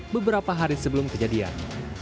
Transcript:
beberapa hari sebelum kejadian